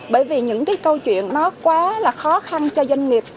bởi vì những câu chuyện quá khó khăn cho doanh nghiệp